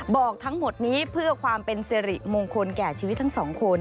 บอกทั้งหมดนี้เพื่อความเป็นสิริมงคลแก่ชีวิตทั้งสองคน